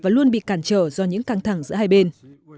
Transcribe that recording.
và luôn bị cản trở do những căng thẳng giữa hai bên